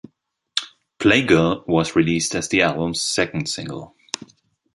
"Playgirl" was released as the album's second single.